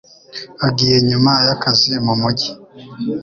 Agiye nyuma yakazi mumujyi.